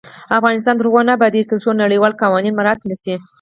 افغانستان تر هغو نه ابادیږي، ترڅو نړیوال قوانین مراعت نشي.